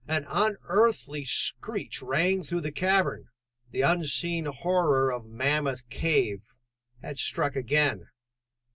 An unearthly screech rang through the cavern. The unseen horror of Mammoth Cave had struck again.